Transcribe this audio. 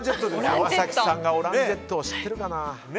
山崎さんがオランジェットを知ってるかな。